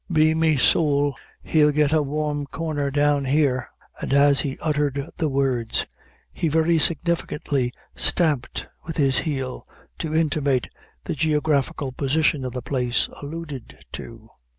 Be me sowl, he'll get a warm corner down here;" and as he uttered the words, he very significantly stamped with his heel, to intimate the geographical position of the place alluded to.